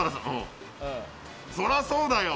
そらそうだよ！